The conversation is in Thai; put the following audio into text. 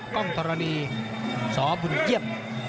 กล้องธรณีสบุญเยี่ยม